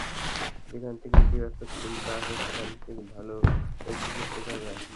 যেখান থেকে ইতিবাচক চিন্তা আসে, সেখান থেকে ভালো কিছু শেখা যায়।